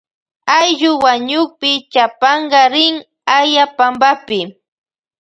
Ayllu wañukpi chapanka rin aya panpapi.